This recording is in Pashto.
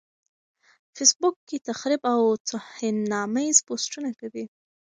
فېس بوک کې تخريب او توهيناميز پوسټونه کوي.